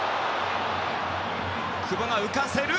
久保が浮かせる！